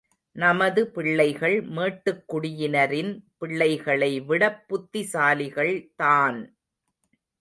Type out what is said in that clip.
நமது பிள்ளைகள் மேட்டுக் குடியினரின் பிள்ளைகளை விடப் புத்திசாலிகள் தான்!